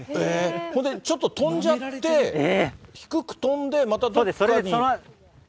ちょっと飛んじゃって、低く飛んでまたどっかに。